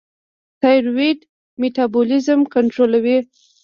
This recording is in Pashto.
تایرویډ میټابولیزم کنټرولوي.